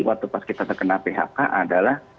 waktu pas kita terkena phk adalah